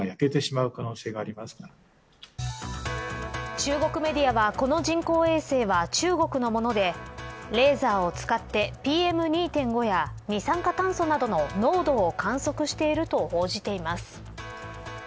中国メディアはこの人工衛星は中国のもので、レーザーを使ってＰＭ２．５や二酸化炭素などの濃度を観測していると報じています。